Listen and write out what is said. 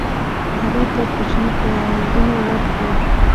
هغوی ته کوچني کارونه ورکړئ.